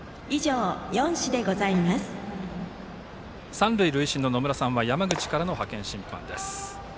三塁塁審の野村さんは山口からの派遣審判です。